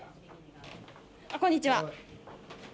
こんにちは。